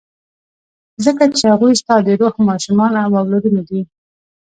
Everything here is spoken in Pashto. ځکه چې هغوی ستا د روح ماشومان او اولادونه دي.